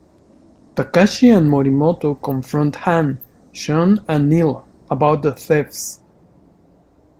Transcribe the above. Takashi and Morimoto confront Han, Sean, and Neela about the thefts.